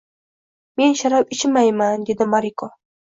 — Men sharob ichmayman! – dedi Moriko.